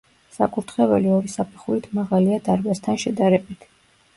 საკურთხეველი ორი საფეხურით მაღალია დარბაზთან შედარებით.